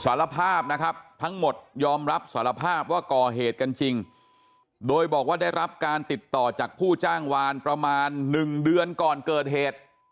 สารภาพนะครับทั้งหมดยอมรับสารภาพว่าก่อเหตุกันจริงโดยบอกว่าได้รับการติดต่อจากผู้จ้างวานประมาณ๑เดือนก่อนเกิดเหตุ